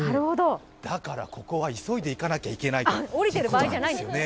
だから、ここは急いで行かなきゃいけないということなんですよね。